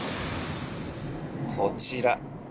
こちら。